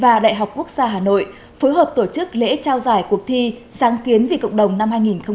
và đại học quốc gia hà nội phối hợp tổ chức lễ trao giải cuộc thi sáng kiến vì cộng đồng năm hai nghìn một mươi chín